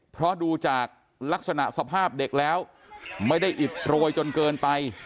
เพราะดูจากลักษณะสภาพเด็กแล้วไม่ได้อิดโรยจนเกินไป